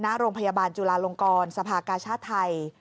หน้าโรงพยาบาลจุลาลงกรสภากาชาติไทย